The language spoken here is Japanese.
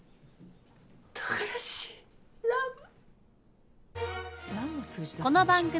とうがらしラブ。